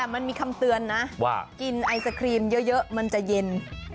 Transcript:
มันมีคำเตือนนะว่ากินไอศครีมเยอะมันจะเย็น